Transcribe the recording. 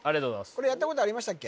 これやったことありましたっけ？